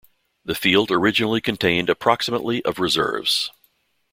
The field originally contained approximately of reserves.